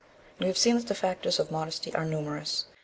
We have seen that the factors of modesty are numerous.